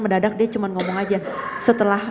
mendadak dia cuma ngomong aja setelah